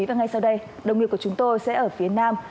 và ngay sau đây đồng nghiệp của chúng tôi sẽ ở phía nam